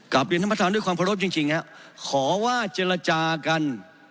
กับเรียนท่านประธานด้วยความพระรบจริงขอว่าเจรจากัน